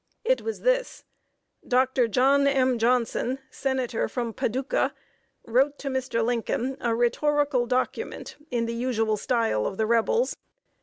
It was this: Dr. John M. Johnson, senator from Paducah, wrote to Mr. Lincoln a rhetorical document, in the usual style of the Rebels.